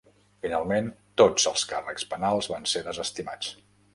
Finalment, tots els càrrecs penals van ser desestimats.